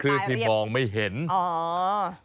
ลูกน้ำยุงรายตายอ๋อ